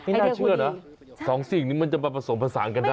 น่าเชื่อนะสองสิ่งนี้มันจะมาผสมผสานกันได้